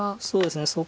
そうですね